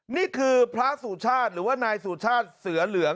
นี่คือพระสุชาติหรือว่านายสุชาติเสือเหลือง